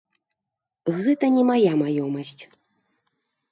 Гэта не мая маёмасць.